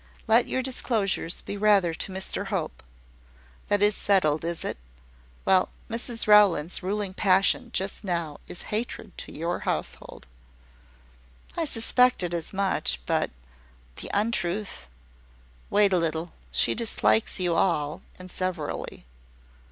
Let your disclosures be rather to Mr Hope. That is settled, is it? Well, Mrs Rowland's ruling passion just now is hatred to your household." "I suspected as much. But the untruth." "Wait a little. She dislikes you, all and severally."